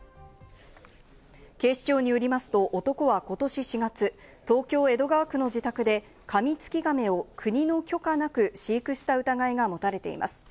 警視庁によりますと男はことし４月、東京・江戸川区の自宅でカミツキガメを国の許可なく飼育した疑いが持たれています。